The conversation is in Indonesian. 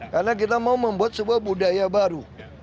karena kita mau membuat sebuah budaya baru